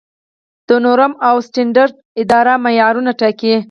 د نورم او سټنډرډ اداره معیارونه ټاکي